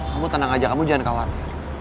kamu tenang aja kamu jangan khawatir